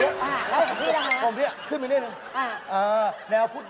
เออแล้วที่ที่รองนะครับ